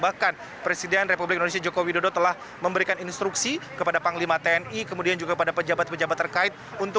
bahkan presiden republik indonesia joko widodo telah memberikan instruksi kepada panglima tni kemudian juga pada pejabat pejabat terkait